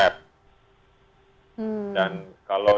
dan kalau demam berdarah kita harus mencari demam berdarah